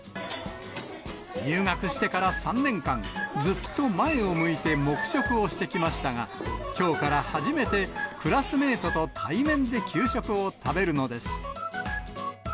入学してから３年間、ずっと前を向いて黙食をしてきましたが、きょうから初めてクラスメートと対面で給食を食べるのです。